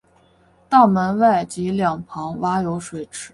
大门外及两旁挖有水池。